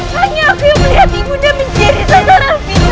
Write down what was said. hanya aku yang melihat ibunya menjadi seseorang bisa